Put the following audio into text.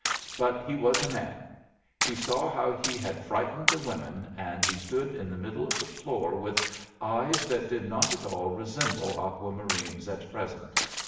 But he was a man. He saw how he had frightened the women, and he stood in the middle of the floor with eyes that did not at all resemble Aqua Marine's at present.